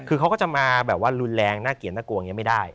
คือเขาก็จะมาแบบว่ารุนแรงน่าเกลียดน่ากลัวอย่างนี้ไม่ได้